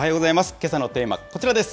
けさのテーマ、こちらです。